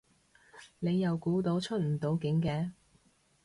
你又估到出唔到境嘅